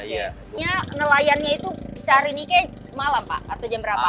nelayan nya itu sehari ike malam pak atau jam berapa